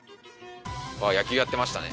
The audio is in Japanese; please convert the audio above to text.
野球やってましたね。